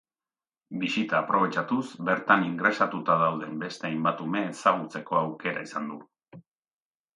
Bisita aprobetxatuz, bertan ingresatuta dauden beste hainbat ume ezagutzeko aukera izan du.